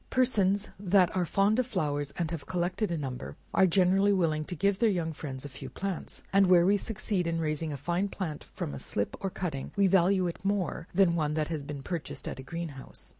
Persons that are fond of flowers, and have collected a number, are generally willing to give their young friends a few plants; and where we succeed in raising a fine plant from a slip, or cutting, we value it more than one that has been purchased at a green house.